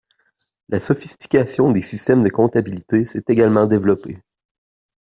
La sophistication des systèmes de comptabilité s’est également développée.